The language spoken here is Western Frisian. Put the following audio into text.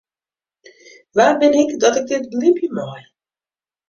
Wa bin ik dat ik dit belibje mei?